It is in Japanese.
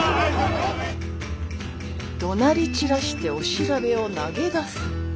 「怒鳴り散らしてお調べを投げ出す」。